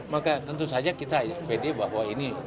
maka tentu saja kita pede bahwa ini